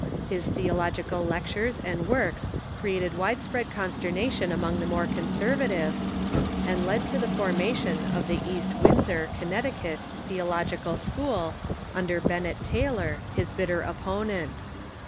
His theological lectures and works created wide spread consternation among the more conservative, and led to the formation of the East Windsor (Connecticut) Theological School, under Bennet Tyler, his bitter opponent.